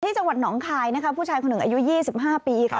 จังหวัดหนองคายนะคะผู้ชายคนหนึ่งอายุ๒๕ปีค่ะ